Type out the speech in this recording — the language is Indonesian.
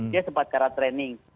dia sempat karat training